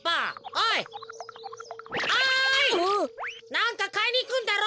なんかかいにいくんだろ？